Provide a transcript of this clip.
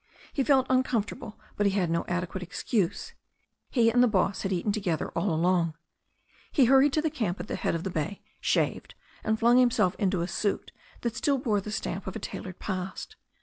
He felt uncomfortable, but he had no adequate excuse. He and the boss had eaten together all along. He hurried to the camp at the head of the bay, shaved, and flung himself into a suit that still bore the stamp of a tailored past.